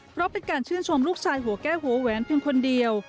เพราะเป็นการชื่นชมลูกชายหัวแก้วหัวแหวนเพียงคนเดียว